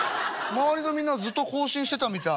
周りのみんなずっと行進してたみたい」。